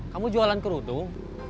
kamu jualan kerudung